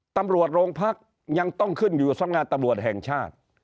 ตำรวจโรงพักยังต้องขึ้นอยู่สำงานตำรวจแห่งชาติ